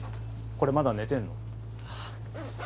これまだ寝てんの？